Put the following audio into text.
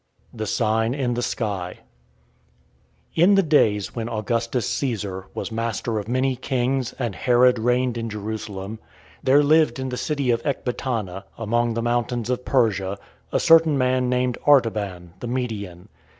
THE SIGN IN THE SKY In the days when Augustus Caesar was master of many kings and Herod reigned in Jerusalem, there lived in the city of Ecbatana, among the mountains of Persia, a certain man named Artaban, the Median.